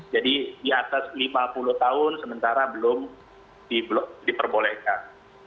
jadi di atas lima puluh tahun sementara belum diperbolehkan